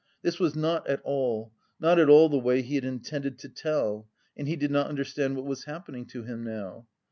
This was not at all, not at all the way he had intended to "tell" and he did not understand what was happening to him now.